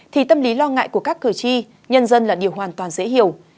thì tâm lý lo ngại của các cử tri nhân dân là điều hoàn toàn dễ hiểu